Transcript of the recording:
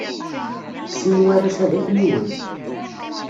Sin warrac-a d akniwen.